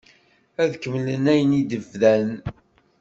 Ad kemmlen ayen i d-bdan?